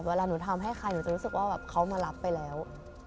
เวลาหนูทำให้ใครหนูจะรู้สึกว่าแบบเขามารับไปแล้ว